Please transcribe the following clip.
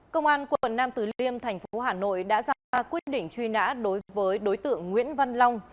công an quận nam từ liêm thành phố hà nội đã ra quyết định truy nã đối với đối tượng nguyễn văn long